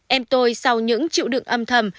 em tôi sau những chịu đựng âm thầm